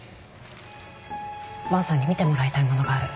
萬さんに見てもらいたいものがある。